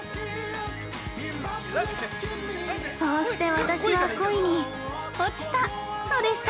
そうして私は恋に落ちたのでした。